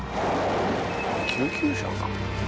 救急車か。